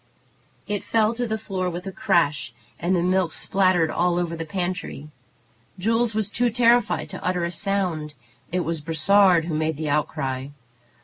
It fell to the floor with a crash, and the milk spattered all over the pantry. Jules was too terrified to utter a sound. It was Brossard who made the outcry.